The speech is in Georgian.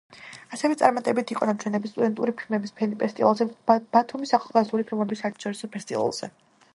ასევე წარმატებით იყო ნაჩვენები სტუდენტური ფილმების ფესტივალზე და ბათუმის ახალგაზრდული ფილმების საერთაშორისო ფესტივალზე.